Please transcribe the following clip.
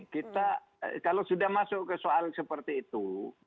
kita kalau sudah masuk ke soal seperti itu